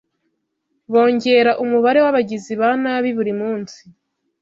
bongera umubare w’abagizi ba nabi buri munsi